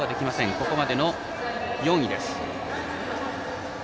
ここまでの４位です。